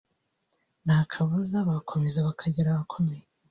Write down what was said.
nta kabuza bakomeza bakagera ahakomeye